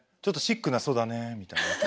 ちょっとシックな「そだねー」みたいな。